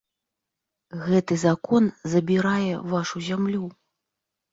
Гэты закон забірае вашу зямлю.